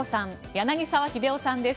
柳澤秀夫さんです。